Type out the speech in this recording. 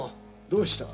どうした？